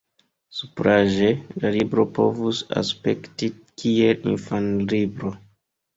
Supraĵe la libro povus aspekti kiel infanlibro.